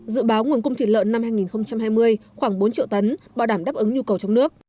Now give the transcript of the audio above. dự báo nguồn cung thịt lợn năm hai nghìn hai mươi khoảng bốn triệu tấn bảo đảm đáp ứng nhu cầu trong nước